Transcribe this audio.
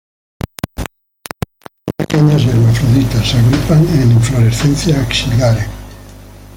Las flores son pequeñas y hermafroditas, se agrupan en inflorescencias axilares.